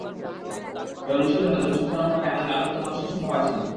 তবে মুশকিল হলো, জনসংখ্যার অনুপাতে আমাদের আলোকিত মানুষের সংখ্যা বাড়ছে না।